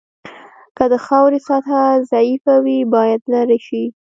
که د خاورې سطحه ضعیفه وي باید لرې شي